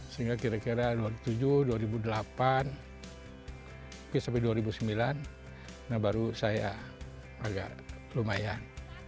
sehingga kira kira dua ribu tujuh dua ribu delapan sampai dua ribu sembilan nah baru saya agak lumayan